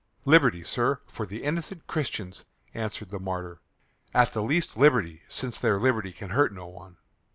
"Liberty, sir, for the innocent Christians," answered the martyr. "At the least liberty, since their liberty can hurt no one."